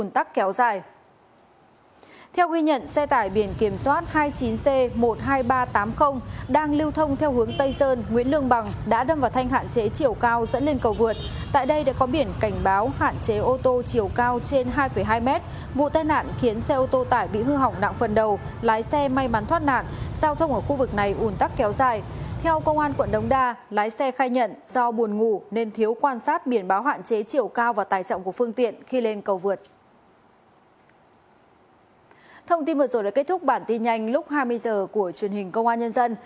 thông tin vượt rồi đã kết thúc bản tin nhanh lúc hai mươi h của truyền hình công an nhân dân